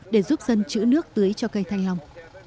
để giúp dân chữ nước tưới cho cây thanh long